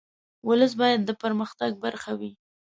ولس باید د پرمختګ برخه وي.